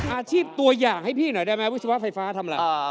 อาชีพตัวอย่างให้พี่หน่อยได้ไหมวิศวะไฟฟ้าทำอะไร